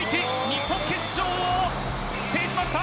日本、決勝を制しました！